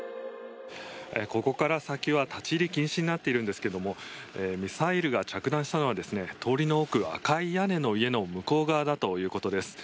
ここから先は立ち入り禁止になっているんですがミサイルが着弾したのは通りの奥、赤い屋根の家の向こう側だということです。